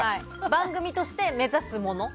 番組として目指すもの。